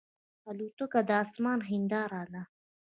الوتکه د آسمان هنداره ده.